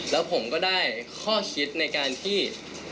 แล้วผมก็ได้ข้อคิดในการที่